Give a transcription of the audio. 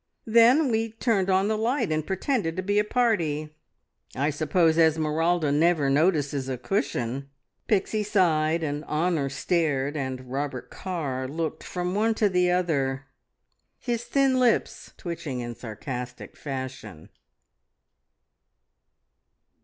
Then we turned on the light and pretended to be a party. I suppose Esmeralda never notices a cushion!" Pixie sighed, and Honor stared, and Robert Carr looked from one to the other, his thin lips twitching in sarcastic fashion.